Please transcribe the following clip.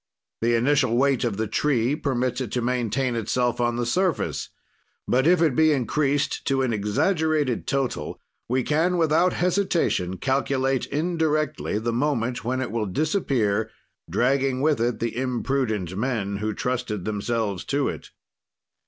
"The initial weight of the tree permits it to maintain itself on the surface; but if it be increased to an exaggerated total, we can, without hesitation, calculate indirectly the moment when it will disappear, dragging with it the imprudent men who trusted themselves to it.